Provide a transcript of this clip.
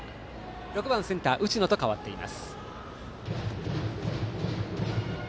６番センター、打野と変わっています。